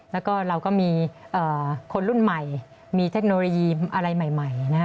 แล้วก็เราก็มีคนรุ่นใหม่มีเทคโนโลยีอะไรใหม่นะฮะ